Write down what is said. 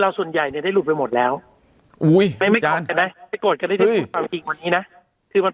เราส่วนใหญ่ได้หลุดไปหมดแล้วอุ้ยไม่มีจานแบบนี้นะคือมัน